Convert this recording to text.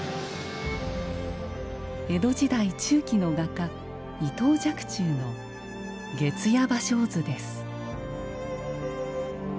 江戸時代中期の画家伊藤若冲の「月夜芭蕉図」です